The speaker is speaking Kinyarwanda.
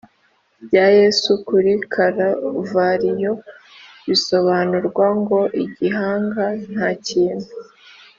Rya yesu kuri kaluvariyo bisobanurwa ngo igihanga nta kintu